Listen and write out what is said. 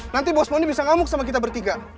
nanti bos moni bisa ngamuk sama kita bertiga